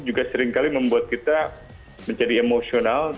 juga seringkali membuat kita menjadi emosional